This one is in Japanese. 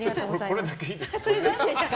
これだけいいですか？